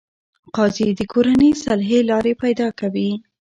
قاضي د کورني صلحې لارې پیدا کوي.